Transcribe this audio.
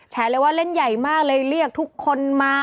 เลยว่าเล่นใหญ่มากเลยเรียกทุกคนมา